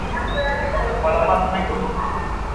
Kimeta ni ugonjwa unaowaathiri wanyama wenye damu moto